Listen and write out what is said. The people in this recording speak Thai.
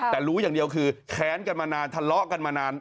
แต่รู้อย่างเดียวคือแค้นกันมานานทะเลาะกันมานาน